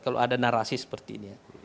kalau ada narasi seperti ini ya